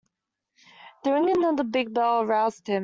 The ringing of the big bell aroused him.